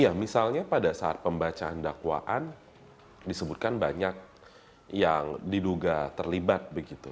ya misalnya pada saat pembacaan dakwaan disebutkan banyak yang diduga terlibat begitu